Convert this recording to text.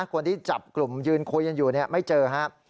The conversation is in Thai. คนที่จับกลุ่มยืนคุยอยู่ไม่เจอนะฮะ